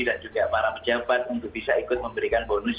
dan juga para pejabat untuk bisa ikut memberikan bonus